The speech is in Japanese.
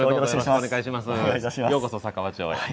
ようこそ佐川町へ。